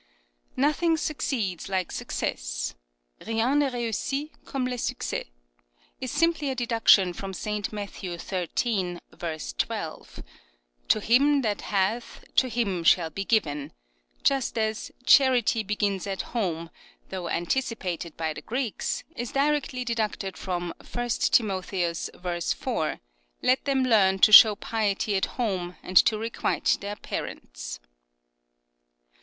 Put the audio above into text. " Nothing succeeds like success "(" Rien ne reussit comme le succes ") is simply a deduction from St. Matthew xiii. 12: "To him that hath, to him shall be given "; just as " Charity begins at home," though anticipated by the Greeks, is directly deduced from I Tim. v. 4 :" Let them learn to show piety at home and to requite their parents."